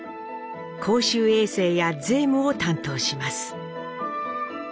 公衆衛生や税務を担当します。